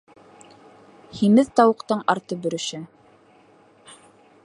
Һимеҙ тауыҡтың арты бөрөшә.